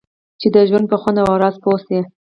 چې د ژوند په خوند او راز پوه شئ.